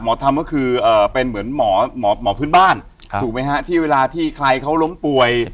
หมอธรรมก็คือเอ่อเป็นเหมือนหมอหมอหมอพื้นบ้านครับถูกไหมฮะที่เวลาที่ใครเขาร้มป่วย